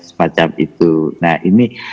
semacam itu nah ini